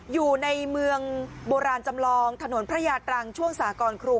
อยู่ในเมืองโบราณจำลองถนนพระยาตรังช่วงสากรครู